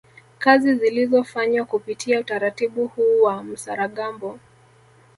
Kazi zilizofanywa kupitia utaratibu huu wa msaragambo